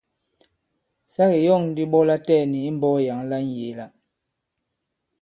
Sa ke yɔ᷇ŋ ndi ɓɔ latɛɛ̀ni i mbɔk yǎŋ la ŋyēe-la.